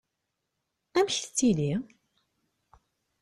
Amek tettili?